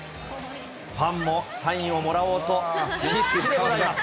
ファンもサインをもらおうと、必死でございます。